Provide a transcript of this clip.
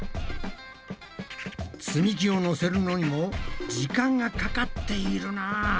積み木をのせるのにも時間がかかっているな。